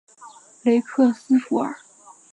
雷克斯弗尔。